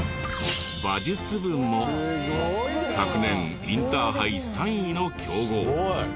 馬術部も昨年インターハイ３位の強豪。